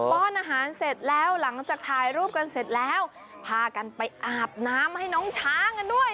้อนอาหารเสร็จแล้วหลังจากถ่ายรูปกันเสร็จแล้วพากันไปอาบน้ำให้น้องช้างกันด้วย